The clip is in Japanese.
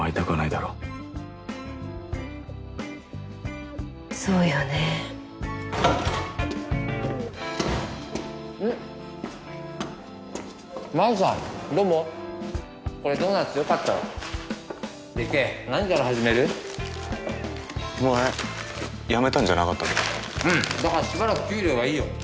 だからしばらく給料はいいよ。